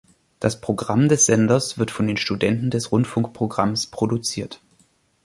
Das Programm des Senders wird von den Studenten des Rundfunkprogramms produziert.